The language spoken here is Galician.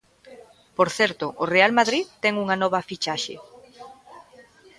Por certo, o Real Madrid ten unha nova fichaxe.